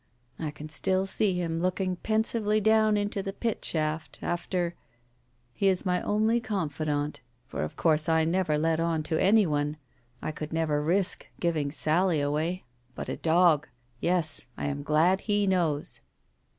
I can still see him looking pensively down into the pit shaft, after. ... He is my only confidant, for of course I never let on to any one, I could never risk giving Sally away. But a dog ! Yes, I am glad he knows.